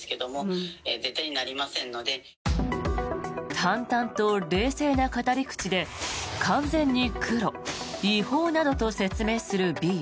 淡々と冷静な語り口で完全にクロ、違法などと説明するＢ。